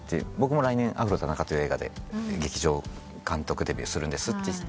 「僕も来年『アフロ田中』という映画で劇場監督デビューするんです」